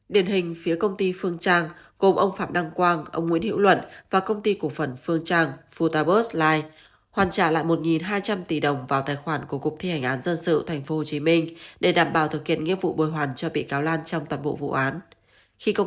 điển hình phía công ty phương trang gồm ông phạm đăng quang ông nguyễn hữu luận và công ty cổ phần phương trang futabus light hoàn trả lại một hai trăm linh tỷ đồng vào tài khoản của cục thi hành án dân sự tp hcm để đảm bảo thực hiện nghĩa vụ bồi hoàn cho bị cáo lan trong toàn bộ vụ án